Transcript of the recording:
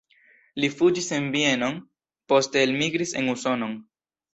Li fuĝis en Vienon, poste elmigris en Usonon.